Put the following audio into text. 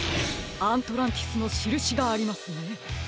アントランティスのしるしがありますね。